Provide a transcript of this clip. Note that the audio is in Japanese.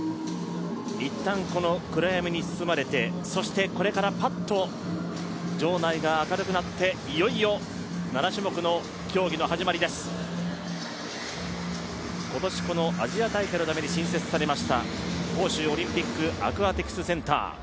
一旦この暗闇に包まれて、それからパッと場内が明るくなって、いよいよ７種目の競技の始まりです今年、このアジア大会のために新設されました杭州オリンピックアクアティクスセンター。